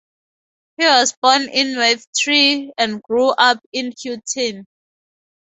He was born in Wavertree and grew up in Huyton.